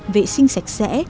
vệ sinh sạch sẽ